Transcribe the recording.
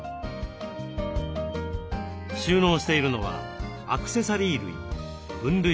収納しているのはアクセサリー類。